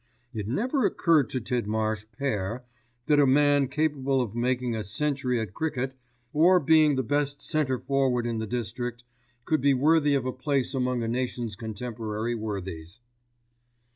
It never occurred to Tidmarsh père that a man capable of making a century at cricket, or being the best centre forward in the district, could be worthy of a place among a nation's contemporary worthies.